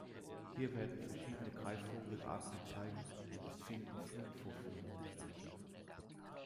Hier werden verschiedene Greifvogelarten gezeigt und es finden Flugvorführungen statt.